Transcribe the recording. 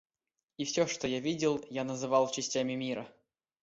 И все, что я видел, я называл частями мира.